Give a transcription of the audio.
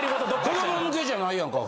子ども向けじゃないやんか。